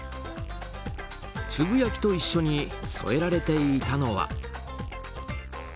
つぶやきと一緒に添えられていたのは。